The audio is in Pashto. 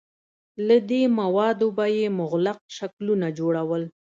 له دې موادو به یې مغلق شکلونه جوړول.